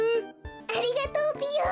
ありがとうぴよ。